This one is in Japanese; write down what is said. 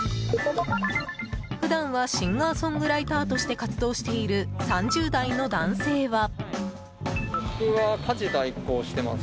普段はシンガーソングライターとして活動している３０代の男性は。